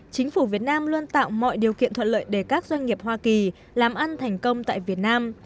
chính phủ việt nam luôn tạo mọi điều kiện thuận lợi để các doanh nghiệp hoa kỳ làm ăn thành công tại việt nam